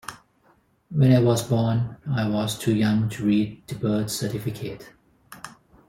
When I was born I was too young to read the birth certificate.